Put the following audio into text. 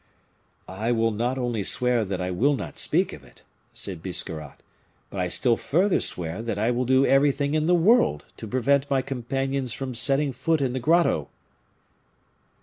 "I will not only swear that I will not speak of it," said Biscarrat, "but I still further swear that I will do everything in the world to prevent my companions from setting foot in the grotto."